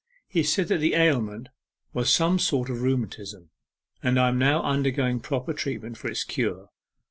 He said that the ailment was some sort of rheumatism, and I am now undergoing proper treatment for its cure.